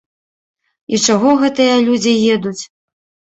І чаго гэтыя людзі едуць?